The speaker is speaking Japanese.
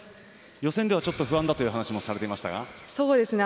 予選ではちょっと不安だという話もされていましたが。